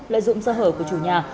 lợi dụng sơ hở của chủ nhà